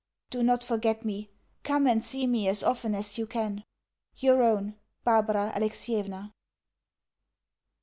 Do not forget me. Come and see me as often as you can. Your own, BARBARA ALEXIEVNA.